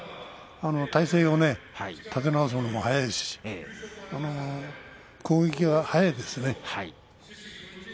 体勢を立て直すのも早いし攻撃が速いですね。